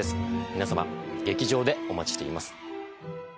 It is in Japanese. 皆様劇場でお待ちしています